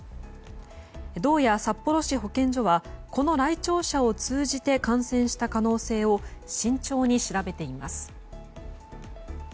道や札幌市保健所はこの来庁者を通じて感染した可能性を慎重に調べています。